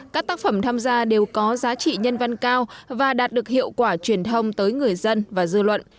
các tác phẩm tham gia đều có giá trị nhân văn cao và đạt được hiệu quả truyền thông tới người dân và dư luận